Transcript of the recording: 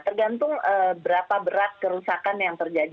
tergantung berapa berat kerusakan yang terjadi